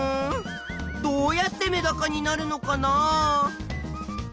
どうやってメダカになるのかな？